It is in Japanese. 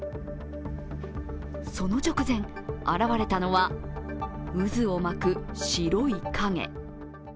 その直前、現れたのは渦を巻く白い影。